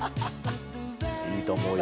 いいと思うよ。